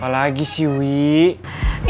apa lagi sih wih